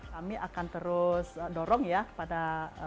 kami akan terus dorong ya kepada